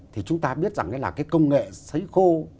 thì chúng ta biết rằng là cái công nghệ xấy khô